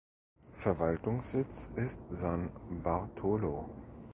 Verwaltungssitz ist San Bartolo.